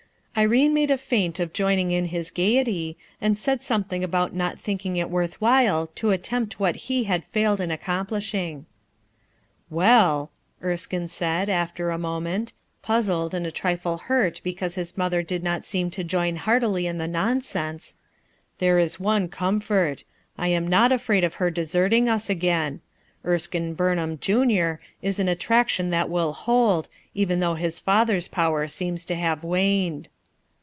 . Irene made a feint of joining in his gayety, and said something about not thinking it worth while to attempt what he had failed in accom plishing. A CRISIS 325 "Well," Erskine said, after a moment, puz zled and a trifle hurt because liis mother did not seem to join heartily in the nonsense, "there is one comfort; I am not afraid of her deserting us again. Erskine Burnham, Junior, is an at traction that will hold, even though his father's power seems to have waned."